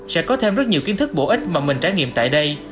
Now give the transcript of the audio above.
sẽ có thêm rất nhiều kiến thức bổ ích mà mình trải nghiệm tại đây